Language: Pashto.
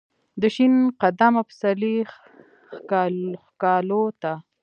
دشین قدمه پسرلی ښکالو ته ،